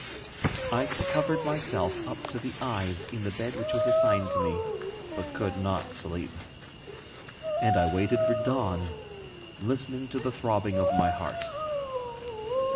I covered myself up to the eyes in the bed which was assigned to me, but could not sleep; and I waited for the dawn listening to the throbbing of my heart.